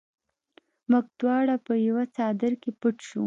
موږ دواړه په یوه څادر کې پټ شوو